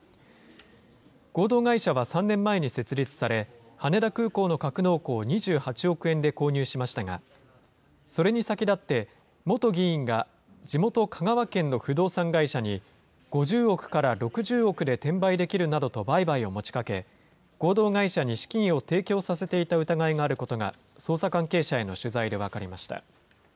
合同会社は３年前に設立され、羽田空港の格納庫を２８億円で購入しましたが、それに先立って元議員が地元、香川県の不動産会社に５０億から６０億で転売できるなどと売買を持ちかけ、合同会社に資金を提供させていた疑いがあることが、捜査関係者への取材で分かりました。